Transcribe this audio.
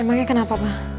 emangnya kenapa ma